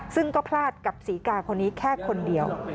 ซึ่งก็พลาดกับศรีกาคนนี้แค่คนเดียว